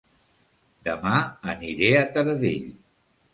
Dema aniré a Taradell